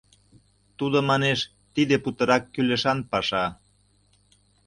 Тудо манеш, тиде путырак кӱлешан паша.